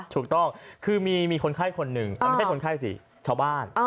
ถูกต้องคือมีคนไข้คนหนึ่งไม่ใช่คนไข้สิชาวบ้าน